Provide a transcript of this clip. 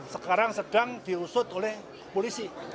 sekarang sedang diusut oleh polisi